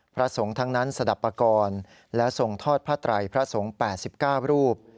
พระสงฆ์ทั้งนั้นสดับปกรและส่งทอดพระไตรพระสงฆ์แปดสิบเก้ารูป